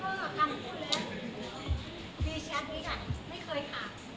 พี่กะก็คำพูดแล้วมีแชทพี่กะไม่เคยขาด